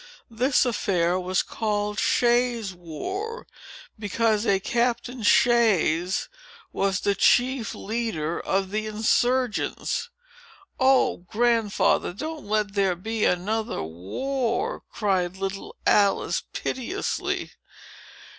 This affair was called Shays' War, because a Captain Shays was the chief leader of the insurgents." "O Grandfather, don't let there be another war!" cried little Alice, piteously.